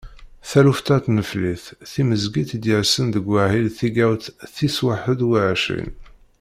Taluft-a n tneflit timezgit i d-yersen deg wahil tigawt tis waḥedd u ɛecrin.